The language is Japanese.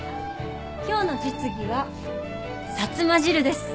今日の実技はさつま汁です。